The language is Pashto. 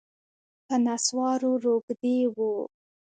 په نسوارو روږدی و